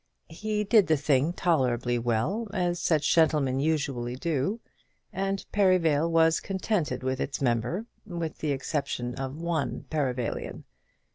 He did the thing tolerably well, as such gentlemen usually do, and Perivale was contented with its member, with the exception of one Perivalian.